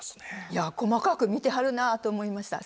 いや細かく見てはるなと思いました。